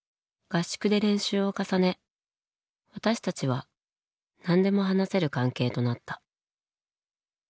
合宿で練習を重ね私たちは何でも話せる関係となった。